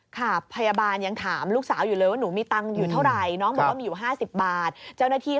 ค่ะพยาบาลยังถามลูกสาวอยู่เลยว่า